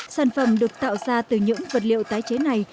sản phẩm được tạo ra từ những vật liệu tái chế này